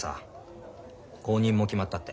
後任も決まったって。